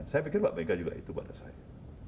saya pikir mbak mega juga itu pada saya